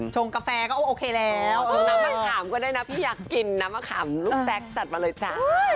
ช่องกาแฟฮะช่องกาแฟฮะ